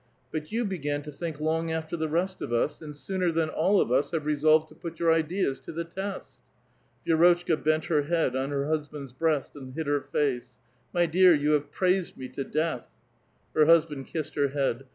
But you began to think' long after the rest of us, and sooner than all of us have re solved to put your ideas to the test." Vit^rotchka bent her head on her husband's breast, and hid her face. '' My dear, you have praised me to death." Her husband kissed her head.